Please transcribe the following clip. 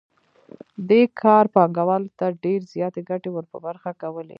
دې کار پانګوال ته ډېرې زیاتې ګټې ور په برخه کولې